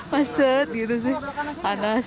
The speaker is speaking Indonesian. maksud gitu sih panas